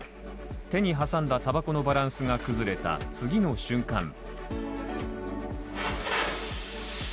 手に挟んだたばこのバランスが崩れた次の瞬間